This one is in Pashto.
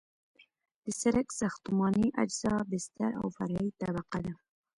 د سرک ساختماني اجزا بستر او فرعي طبقه ده